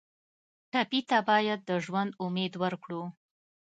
ټپي ته باید د ژوند امید ورکړو.